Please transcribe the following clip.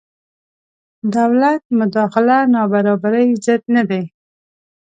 دولت مداخله نابرابرۍ ضد نه دی.